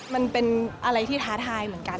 มันเป็นอะไรที่ท้าทายเหมือนกัน